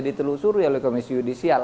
ditelusuri oleh komisi judicial